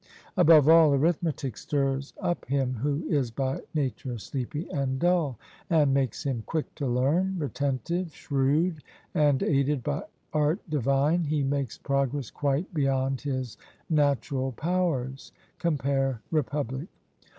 Above all, arithmetic stirs up him who is by nature sleepy and dull, and makes him quick to learn, retentive, shrewd, and aided by art divine he makes progress quite beyond his natural powers (compare Republic).